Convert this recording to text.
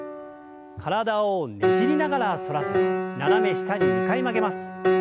体をねじりながら反らせて斜め下に２回曲げます。